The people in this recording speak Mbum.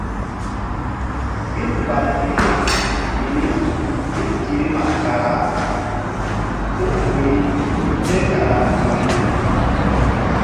Ɓil mbam mbihna mini ɓil tirim kara suŋ ƴo ri seh kara ƴo ri.